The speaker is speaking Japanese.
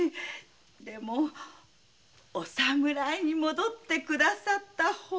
でもお侍に戻ってくださったほうが。